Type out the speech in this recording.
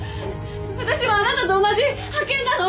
私はあなたと同じ派遣なの！